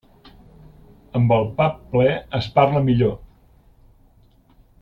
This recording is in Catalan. Amb el pap ple es parla millor.